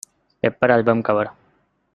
Pepper album cover.